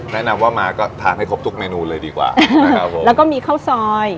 แนะนำว่ามาก็ทานให้ครบทุกเมนูเลยดีกว่านะครับผมแล้วก็มีข้าวซอย